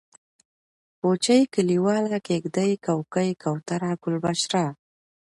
کوچۍ ، کليواله ، کيږدۍ ، کوکۍ ، کوتره ، گلبشره